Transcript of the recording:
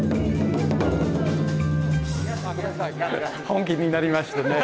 本気になりましたね。